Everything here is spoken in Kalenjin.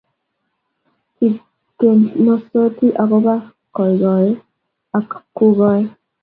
kiorokensoti akubo gogoe ak kukoe